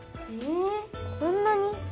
えこんなに？